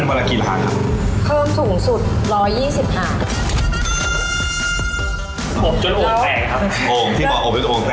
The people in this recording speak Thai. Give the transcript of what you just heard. เพิ่มเป็นบริกิร์ภรรยาก่างครับ